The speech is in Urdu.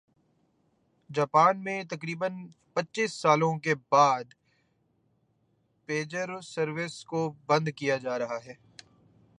جاپان میں تقریبا ًپچيس سالوں کے بعد پیجر سروس کو بند کیا جا رہا ہے